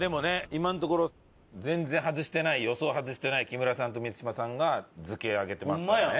今のところ全然外してない予想を外してない木村さんと満島さんが漬けあげてますからね。